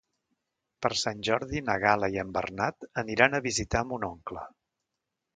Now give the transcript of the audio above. Per Sant Jordi na Gal·la i en Bernat aniran a visitar mon oncle.